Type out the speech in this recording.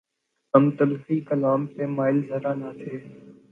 ہم تلخیِ کلام پہ مائل ذرا نہ تھے